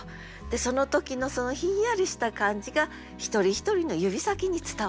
その時のそのひんやりした感じが一人一人の指先に伝わって。